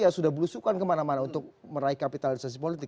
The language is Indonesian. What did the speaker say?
yang sudah berusukan kemana mana untuk meraih kapitalisasi politik